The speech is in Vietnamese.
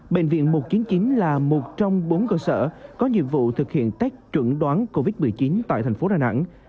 bệnh viện một trăm chín mươi chín là một trong bốn cơ sở có nhiệm vụ thực hiện tech chuẩn đoán covid một mươi chín tại thành phố đà nẵng